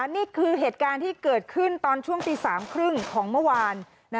นี่คือเหตุการณ์ที่เกิดขึ้นตอนช่วงตี๓๓๐ของเมื่อวาน